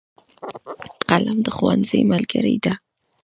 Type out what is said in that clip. قلم د ښوونځي ملګری دی.